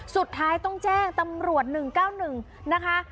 สุดท้ายต้องแจ้งตำรวจ๑๙๑นะคะ